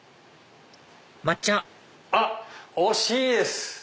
抹茶あっ惜しいです！